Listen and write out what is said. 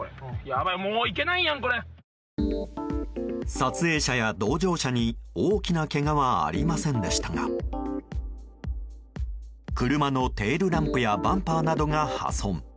撮影者や同乗者に大きなけがはありませんでしたが車のテールランプやバンパーなどが破損。